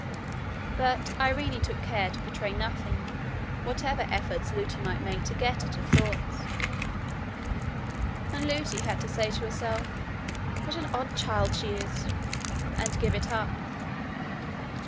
But Irene took care to betray nothing, whatever efforts Lootie might make to get at her thoughts. And Lootie had to say to herself: 'What an odd child she is!' and give it up.